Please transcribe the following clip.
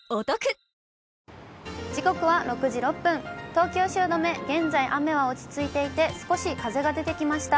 東京・汐留、現在雨は落ち着いていて、少し風が出てきました。